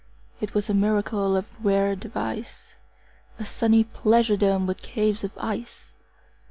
It was a miracle of rare device, 35 A sunny pleasure dome with caves of ice!